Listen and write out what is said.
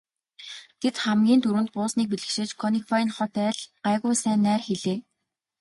Тэд хамгийн түрүүнд буусныг бэлэгшээж Конекбайн хот айл гайгүй сайн найр хийлээ.